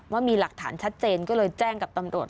ว่ามีหลักฐานชัดเจนก็เลยแจ้งกับตำรวจ